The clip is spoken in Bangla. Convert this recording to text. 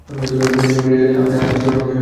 কিন্তু মিডিয়া জানলে, আপনি আজকের শিরোনাম হয়ে যাবেন।